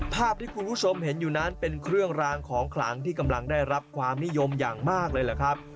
ภาพที่คุณผู้ชมเห็นอยู่นั้นเป็นเครื่องรางของขลังที่กำลังได้รับความนิยมอย่างมากเลยแหละครับ